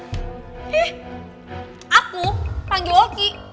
eh aku panggil oki